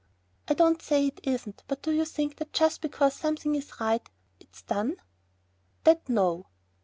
"I don't say it isn't, but do you think that just because a thing is right, it's done?" "That, no!"